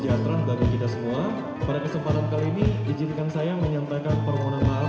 sejahtera bagi kita semua pada kesempatan kali ini izinkan saya menyampaikan permohonan maaf